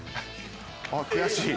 あっ悔しい。